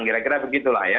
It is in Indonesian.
kira kira begitu lah ya